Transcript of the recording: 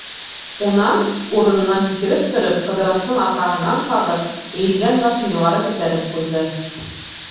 Унан, урынынан һикереп тороп, Ҡыҙырастың арҡаһынан ҡағып, эйелгән башын юғары күтәреп ҡуйҙы.